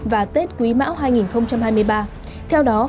và tết quý mão hai nghìn hai mươi ba